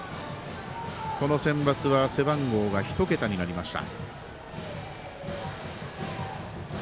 このセンバツは背番号が１桁になりました。